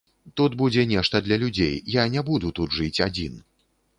Тут будзе нешта для людзей, я не буду тут жыць адзін.